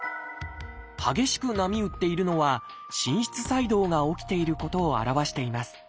激しく波打っているのは心室細動が起きていることを表しています。